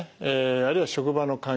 あるいは職場の環境。